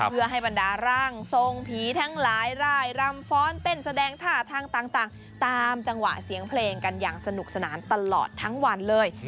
เพื่อให้บรรดาร่างทรงผีทั้งหลายร่ายรำฟ้อนเต้นแสดงท่าทางต่างตามจังหวะเสียงเพลงกันอย่างสนุกสนานตลอดทั้งวันเลย